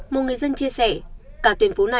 một người dân chia sẻ